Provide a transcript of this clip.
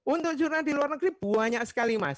untuk jurnal di luar negeri banyak sekali mas